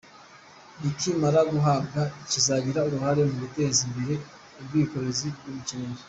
Nikimara kubakwa, kizagira uruhare mu guteza imbere ubwikorezi bwo mu kirere.